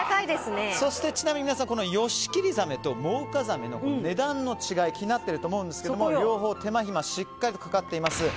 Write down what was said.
ちなみに皆さんヨシキリザメとモウカザメの値段の違い気になっていると思うんですが両方、手間暇しっかりかかっています。